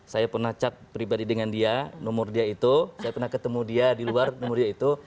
saya pernah cat pribadi dengan dia nomor dia itu saya pernah ketemu dia di luar nomor dia itu